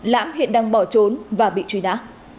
lãm hiện đang bỏ trốn và bị truy đá